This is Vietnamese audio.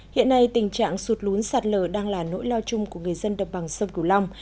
hiện nay tình trạng sụt lún sạt lở đang là nỗi lo chung của người dân đồng bằng sông cửu long